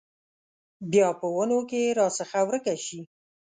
بیا په ونو کې راڅخه ورکه شي